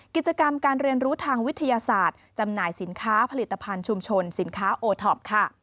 กิจกรรมการเรียนรู้ทางวิทยาศาสตร์จำหน่ายสินค้าผลิตภัณฑ์ชุมชนสินค้าโอท็อปค่ะ